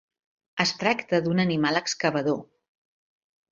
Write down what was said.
Es tracta d'un animal excavador.